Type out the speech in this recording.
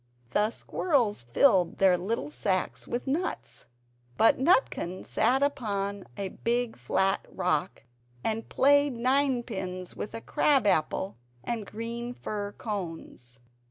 The squirrels filled their little sacks with nuts. But Nutkin sat upon a big flat rock, and played ninepins with a crab apple and green fir cones.